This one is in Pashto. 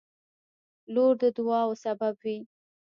• لور د دعاوو سبب وي.